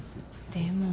でも。